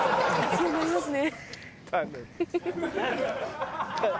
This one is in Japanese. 「そうなりますね」